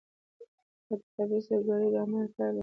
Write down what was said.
دا د خبیثه کړۍ د عمل پایله ده.